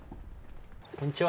こんにちは。